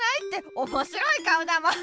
おもしろいかおだもん。